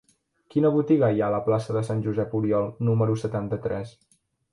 Quina botiga hi ha a la plaça de Sant Josep Oriol número setanta-tres?